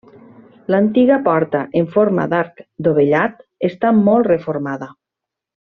L'antiga porta en forma d'arc dovellat està molt reformada.